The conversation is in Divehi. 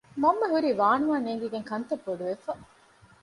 މަންމަ ހުރީ ވާނުވާ ނޭގިގެން ކަންތައް ބޮޑުވެފަ